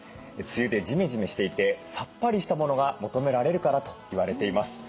梅雨でじめじめしていてさっぱりしたものが求められるからと言われています。